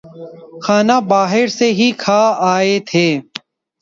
کھانا باہر سے ہی کھا آئے تھے